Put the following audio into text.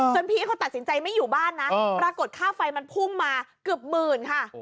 พี่เขาตัดสินใจไม่อยู่บ้านนะปรากฏค่าไฟมันพุ่งมาเกือบหมื่นค่ะ